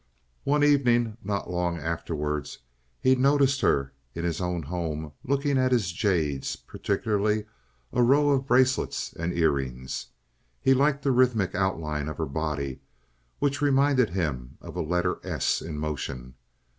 One evening not long afterward he noticed her in his own home looking at his jades, particularly a row of bracelets and ear rings. He liked the rhythmic outline of her body, which reminded him of a letter S in motion.